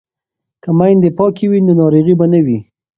که میندې پاکې وي نو ناروغي به نه وي.